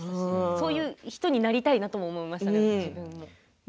そういう人になりたいなとも思いましたけど。